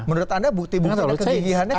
menurut anda bukti bukti kegigihannya paling apa